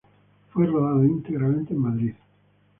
Fue rodado íntegramente en Madrid.